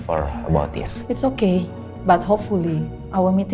gak apa apa tapi semoga pertemuan kita hari ini